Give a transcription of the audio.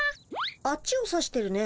あっちを指してるね。